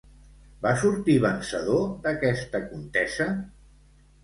Va sortir vencedor d'aquesta contesa?